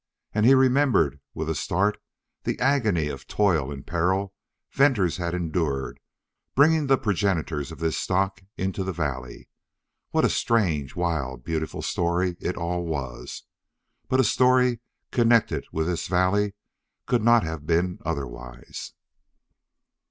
And he remembered with a start the agony of toil and peril Venters had endured bringing the progenitors of this stock into the valley. What a strange, wild, beautiful story it all was! But a story connected with this valley could not have been otherwise.